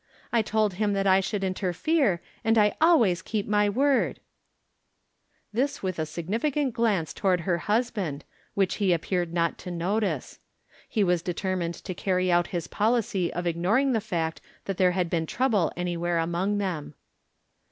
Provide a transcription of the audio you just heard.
I told him that I should interfere, and I always keep my word." 186 From Different Standpoints. This with a significant glance toward her hus band, wliich he appeared not to notice. He was determined to carry out his pohcy of ignoring the fact that there had been trouble anywhere among them.